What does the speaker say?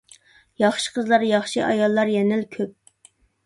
ياخشى قىزلار، ياخشى ئاياللار يەنىلا كۆپ!